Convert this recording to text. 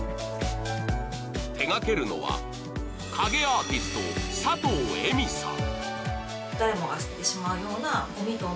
手がけるのは、影アーティスト佐藤江未さん。